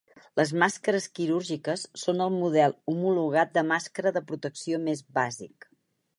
Les màscares quirúrgiques són el model homologat de màscara de protecció més bàsic.